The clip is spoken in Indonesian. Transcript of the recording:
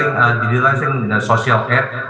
dengan pendukung sosial aid